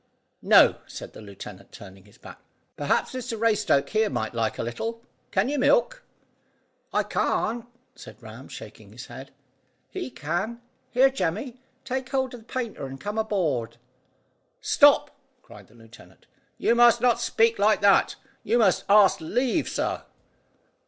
"No," said the lieutenant, turning his back. "Perhaps Mr Raystoke here might like a little. Can you milk?" "I can't," said Ram, shaking his head. "He can. Here, Jemmy, take hold of the painter and come aboard." "Stop!" cried the lieutenant, "you must not speak like that. You must ask leave, sir."